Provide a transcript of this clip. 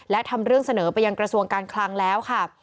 และทำเรื่องเสนอไปยังกระทรวงการคลังแล้วค่ะ